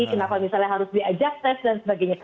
kenapa misalnya harus diajak tes dan sebagainya